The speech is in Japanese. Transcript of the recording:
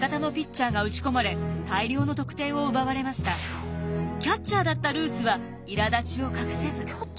この日味方のキャッチャーだったルースはいらだちを隠せず。